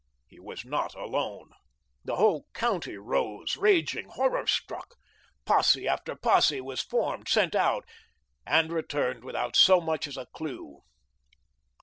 He was not alone. The whole county rose, raging, horror struck. Posse after posse was formed, sent out, and returned, without so much as a clue.